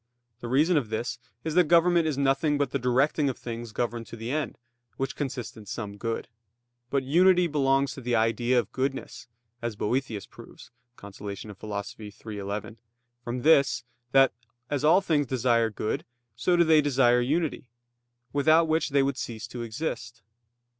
The reason of this is that government is nothing but the directing of the things governed to the end; which consists in some good. But unity belongs to the idea of goodness, as Boethius proves (De Consol. iii, 11) from this, that, as all things desire good, so do they desire unity; without which they would cease to exist.